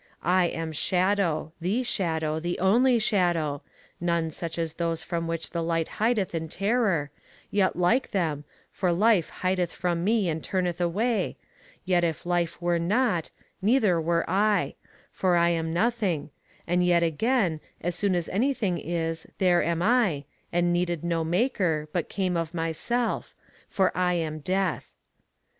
I am Shadow, the shadow, the only shadow none such as those from which the light hideth in terror, yet like them, for life hideth from me and turneth away, yet if life were not, neither were I, for I am nothing; and yet again, as soon as anything is, there am I, and needed no maker, but came of myself, for I am Death.